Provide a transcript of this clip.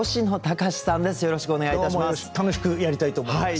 楽しくやりたいと思います。